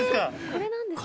これなんですか？